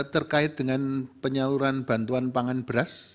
terkait dengan penyaluran bantuan pangan beras